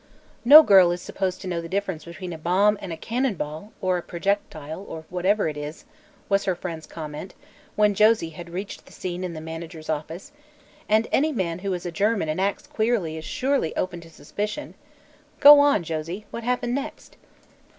"No girl is supposed to know the difference between a bomb and a cannon ball or projectile or whatever it is," was her friend's comment, when Josie had reached the scene in the manager's office, "and any man who is a German and acts queerly is surely open to suspicion. Go on, Josie; what happened next?"